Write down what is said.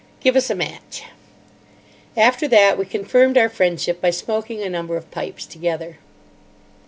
Give us a match." After that we confirmed our friendship by smoking a number of pipes together.